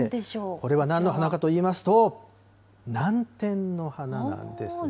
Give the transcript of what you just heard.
これはなんの花かといいますと、ナンテンの花なんですね。